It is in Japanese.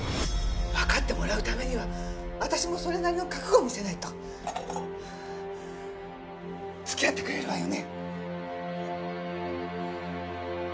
わかってもらうためには私もそれなりの覚悟を見せないと。付き合ってくれるわよね？